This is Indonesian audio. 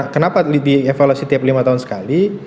kenapa dievaluasi tiap lima tahun sekali